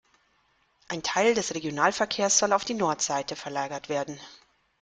Ein Teil des Regionalverkehrs soll auf die Nordseite verlagert werden.